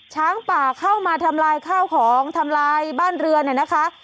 ช้างป่าเข้ามาทำลายข้าวของทำลายบ้านเรือนเนี่ยนะคะ